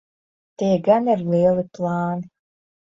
Tie gan ir lieli plāni.